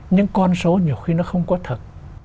những con số nhiều khi nó không có thật